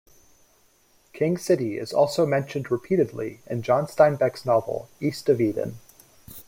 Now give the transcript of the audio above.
King City is also mentioned repeatedly in John Steinbeck's novel, "East of Eden".